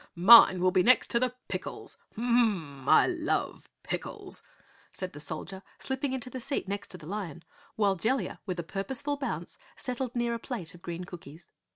"Mine will be next to the pickles. MM mmmm! I LOVE pickles," said the soldier, slipping into the seat next to the lion, while Jellia, with a purposeful bounce, settled near a plate of green cookies.